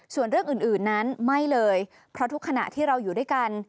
ส่วนเรื่องอื่นนั้นไม่เลยเพราะทุกขณะที่เราอยู่ด้วยกัน